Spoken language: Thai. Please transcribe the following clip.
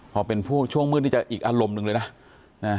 พอเป็นผู้ช่วงมืดนี่จะอีกอารมณ์หนึ่งเลยนะ